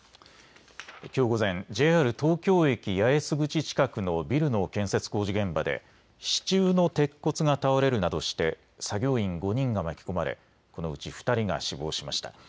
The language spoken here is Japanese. きょう午前、ＪＲ東京駅八重洲口近くのビルの建設工事現場で支柱の鉄骨が倒れるなどして作業員５人が巻き込まれこのうち２人が死亡しました。